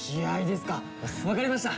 わかりました！